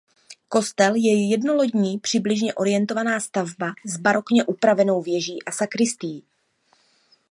Kostel je jednolodní přibližně orientovaná stavba s barokně upravenou věží a sakristií.